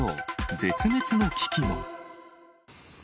絶滅の危機も。